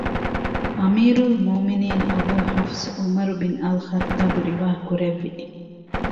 އަމީރުލް މުއުމިނީން އަބޫ ޙަފްޞު ޢުމަރު ބިން އަލްޚައްޠާބު ރިވާ ކުރެއްވި